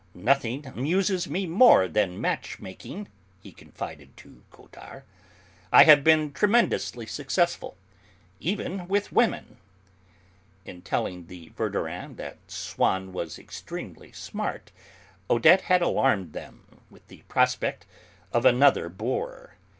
"Nothing amuses me more than match making," he confided to Cottard; "I have been tremendously successful, even with women!" In telling the Verdurins that Swann was extremely 'smart,' Odette had alarmed them with the prospect of another 'bore.'